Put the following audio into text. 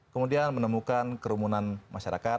kemudian menemukan kerumunan masyarakat